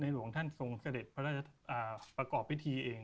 หลวงท่านทรงสเมฆประกอบพิธีเอง